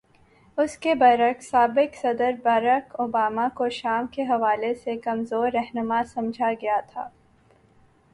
اس کے برعکس، سابق صدر بارک اوباما کو شام کے حوالے سے کمزور رہنما سمجھا گیا تھا۔